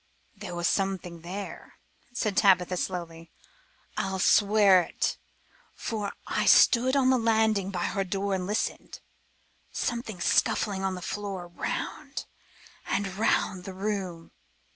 "There was something there," said Tabitha slowly. "I'll swear it, for I stood on the landing by her door and listened; something scuffling on the floor round and round the room.